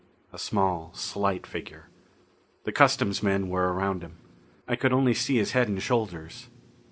A small, slight figure. The customs men were around him. I could only see his head and shoulders.